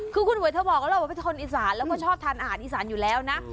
คือคุณหวยเธอบอกแล้วว่าเป็นคนอีสานแล้วก็ชอบทานอาหารอีสานอยู่แล้วนะ